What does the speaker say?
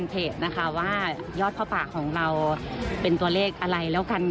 ภาพของเราเป็นตัวเลขอะไรแล้วกันคะ